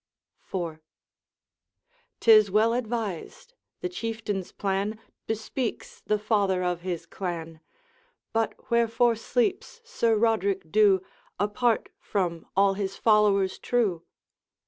IV. ''T is well advised, the Chieftain's plan Bespeaks the father of his clan. But wherefore sleeps Sir Roderick Dhu Apart from all his followers true?'